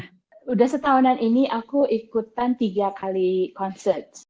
sudah setahunan ini aku ikutan tiga kali konsert